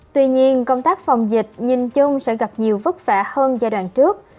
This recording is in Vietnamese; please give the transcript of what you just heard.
tuy nhiên công tác phòng dịch nhìn chung sẽ gặp nhiều vất vả hơn giai đoạn trước